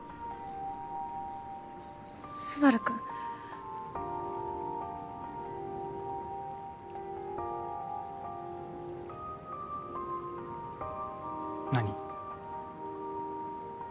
昴くん。何？